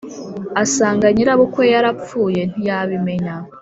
asanga nyirabukwe yarapfuye ntiyabimenya